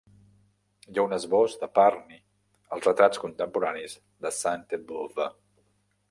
Hi ha un esbós de Parny als "Retrats contemporanis" de Sainte-Beuve.